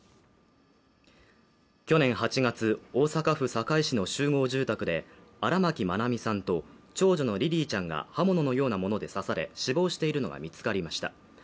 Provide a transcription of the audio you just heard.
去年８月、大阪府堺市の集合住宅で荒牧愛美さんと長女のリリィちゃんが刃物のようなもので刺され死亡しているのが見つかりました。